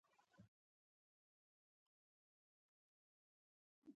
صاحبزاده ورور کیسه کوله.